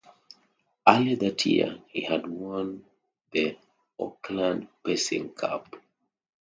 Earlier that year, he had won the Auckland Pacing Cup.